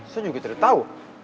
saya juga tidak tahu